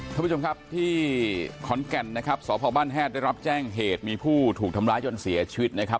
ท่านผู้ชมครับที่ขอนแก่นนะครับสพบ้านแฮดได้รับแจ้งเหตุมีผู้ถูกทำร้ายจนเสียชีวิตนะครับ